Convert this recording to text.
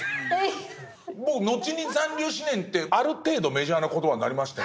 後に残留思念ってある程度メジャーな言葉になりましたよね。